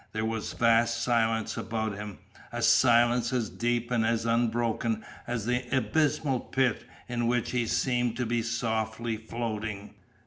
There was a vast silence about him, a silence as deep and as unbroken as the abysmal pit in which he seemed to be softly floating.